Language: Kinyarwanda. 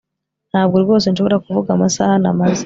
ntabwo rwose nshobora kuvuga amasaha namaze